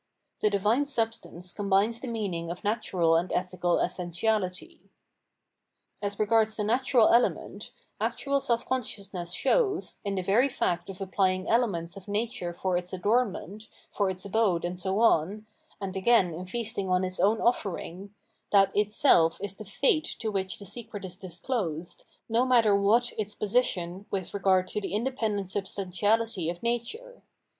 The divine substance combines the meanmg of natural and ethical essentiahty. As regards the natural element, actual self conscious ness shows, in the very fact of applying elements of nature for its adornment, for its abode and so on, and again in feasting on its own offering, that itself is the Fate to which the secret is disclosed, no matter what its position with regard to the independent substanti ahty of nature.